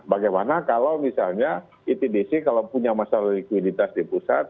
bagaimana kalau misalnya itdc kalau punya masalah likuiditas di pusat